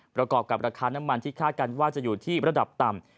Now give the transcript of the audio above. ประกอบกับราคาน้ำมันที่คาดกันว่าจะอยู่ที่ระดับต่ำ